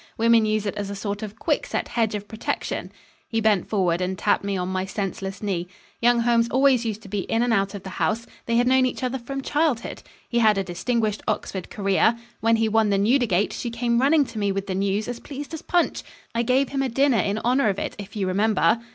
Women use it as a sort of quickset hedge of protection." He bent forward and tapped me on my senseless knee. "Young Holmes always used to be in and out of the house. They had known each other from childhood. He had a distinguished Oxford career. When he won the Newdigate, she came running to me with the news, as pleased as Punch. I gave him a dinner in honour of it, if you remember."